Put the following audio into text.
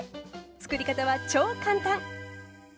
つくり方は超簡単！